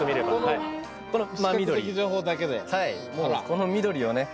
この緑をね